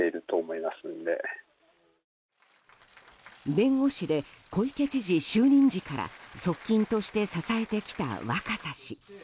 弁護士で小池知事就任時から側近として支えてきた若狭氏。